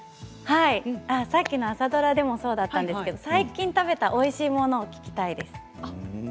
さっきの朝ドラでもそうだったんですけど最近食べたおいしいものを聞きたいです。